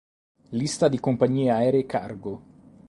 Lista di compagnie aeree cargo